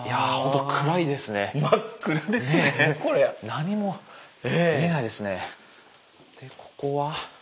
何も見えないですね。